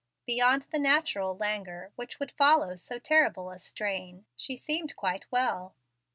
Beyond the natural languor which would follow so terrible a strain, she seemed quite well.